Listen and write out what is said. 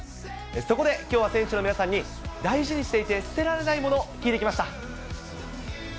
そこで、きょうは選手の皆さんに、大事にしていて捨てられない物、聞いてきました。